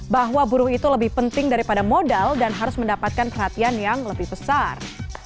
bahwa buruh itu lebih penting daripada modal dan harus mendapatkan perhatian yang lebih besar